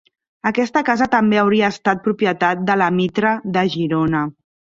Aquesta casa també hauria estat propietat de la Mitra de Girona.